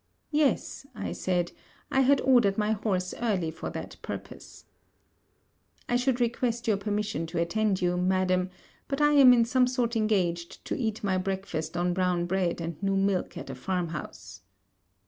'Yes,' I said, 'I had ordered my horse early for that purpose.' 'I should request your permission to attend you, madam; but I am in some sort engaged to eat my breakfast on brown bread and new milk at a farm house.'